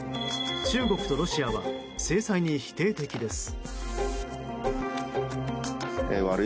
中国とロシアは制裁に否定的です。